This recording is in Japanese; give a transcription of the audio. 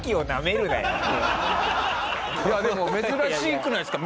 いやでも珍しくないですか？